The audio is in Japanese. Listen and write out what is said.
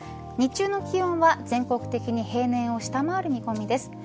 日中の気温は全国的に平年を下回る見込みです。